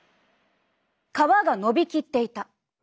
皮がのびきっていた。